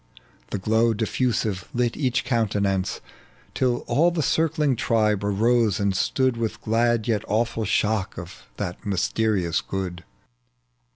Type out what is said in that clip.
The glow difi'usive lit each countenance. Till all the circling tribe arose and stood With glad yet awiUl shock of that mysterious good.